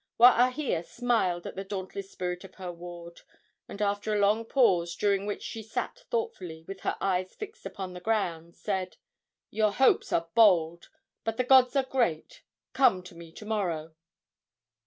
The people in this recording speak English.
Waahia smiled at the dauntless spirit of her ward, and after a long pause, during which she sat thoughtfully, with her eyes fixed upon the ground, said: "Your hopes are bold, but the gods are great. Come to me to morrow."